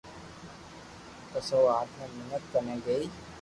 پسو او آتما مينک ڪني گئي